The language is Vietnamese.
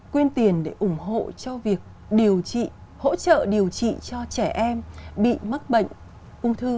quyên tiền để ủng hộ cho việc điều trị hỗ trợ điều trị cho trẻ em bị mắc bệnh ung thư